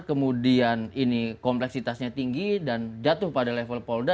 kemudian ini kompleksitasnya tinggi dan jatuh pada level polda